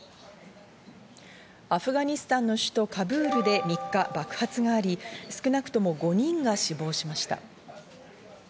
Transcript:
アフガニスタンの首都カブールで３日、爆発があり、少なくとも５人が死亡しました。